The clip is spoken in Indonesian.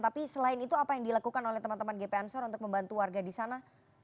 tapi selain itu apa yang dilakukan oleh teman teman gp ansor untuk membantu warga di sana